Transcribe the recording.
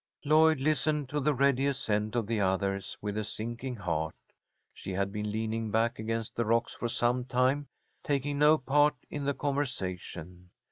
Lloyd listened to the ready assent of the others with a sinking heart. She had been leaning back against the rocks for some time, taking no part in the conversation.